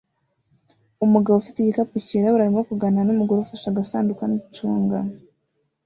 Umugabo ufite igikapu cyirabura arimo kuganira numugore ufashe agasanduku nicunga